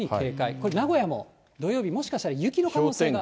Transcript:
これ、名古屋も土曜日、もしかしたら雪の可能性が。